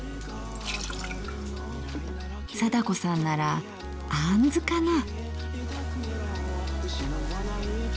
貞子さんならあんずかな？